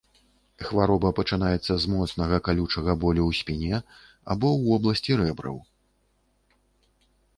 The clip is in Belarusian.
Хвароба пачынаецца з моцнага, калючага болю ў спіне, або ў вобласці рэбраў.